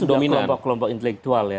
termasuk kelompok kelompok intelektual ya